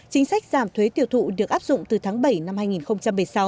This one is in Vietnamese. chính sách giảm thuế tiêu thụ được áp dụng từ tháng bảy năm hai nghìn một mươi sáu